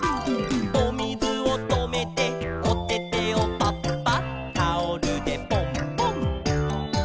「おみずをとめておててをパッパッ」「タオルでポンポン」